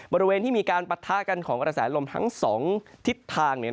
บริเวณที่มีการปะทะกันของกระแสลมทั้ง๒ทิศทาง